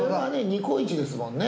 ニコイチですもんね